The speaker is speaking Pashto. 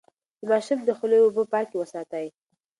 د ماشوم د خولې اوبه پاکې وساتئ.